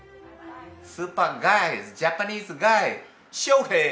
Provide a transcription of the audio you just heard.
スーパーガイジャパニーズガイショーヘイ・オオタニ！